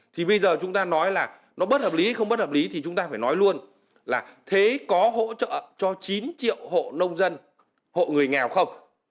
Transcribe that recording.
thì bây giờ chúng ta nói là nó bất hợp lý không bất hợp lý thì chúng ta phải nói luôn là thế có hỗ trợ cho chín triệu hộ nông dân hộ người nghèo không